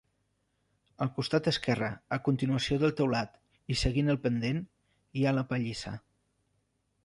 Al costat esquerre, a continuació del teulat i seguint el pendent, hi ha la pallissa.